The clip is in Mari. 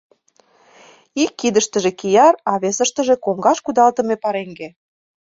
Ик кидыштыже кияр, а весыштыже — коҥгаш кудалтыме пареҥге.